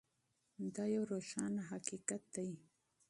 دا یو روښانه حقیقت دی.